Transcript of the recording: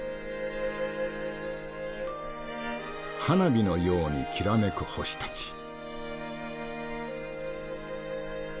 花火のようにきらめく星たち。